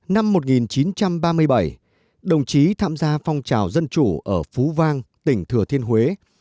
năm một nghìn chín trăm ba mươi bảy đồng chí tham gia phong trào dân chủ ở phú vang tỉnh thừa thiên huế